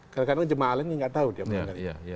kadang kadang jemaah lainnya nggak tahu dia